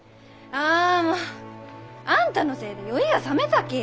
あもうあんたのせいで酔いがさめたき！